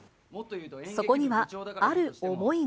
そこにはある思いが。